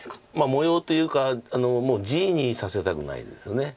模様というか地にさせたくないです。